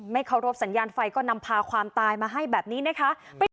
เคารพสัญญาณไฟก็นำพาความตายมาให้แบบนี้นะคะ